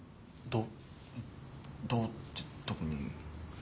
どう「どう？」って特に。